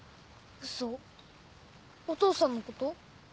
お父さんのこと？